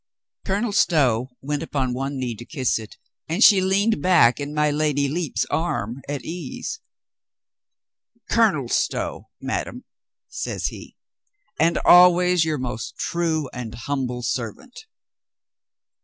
Colonel Stow went upon one knee to kiss it, and she leaned back in my Lady Lepe's arm at ease. "Colonel Stow, madame," says he, "and always your most true and humble servant."